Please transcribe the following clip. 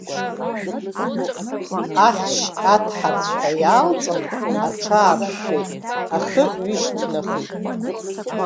Ахьшь аҭҳарцәҳәа иаалҵын, аҽааршәшәеит, ахы ҩышьҭнахит.